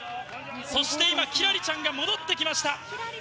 そして今、輝星ちゃんが戻ってきました。